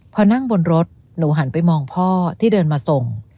พอนั่งบนรถหนูหันไปมองพ่อที่เดินมาส่ง